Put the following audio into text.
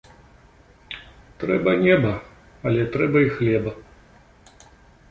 Трэба неба, але трэба і хлеба.